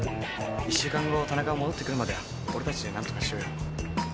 １週間後田中が戻ってくるまでは俺たちで何とかしようよ。